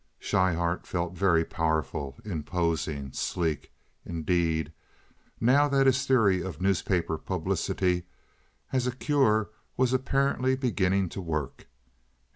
Schryhart felt very powerful, imposing—sleek, indeed—now that his theory of newspaper publicity as a cure was apparently beginning to work.